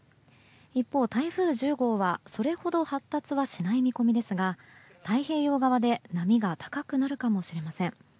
一方、台風１０号はそれほど発達はしない見込みですが太平洋側で波が高くなるかもしれません。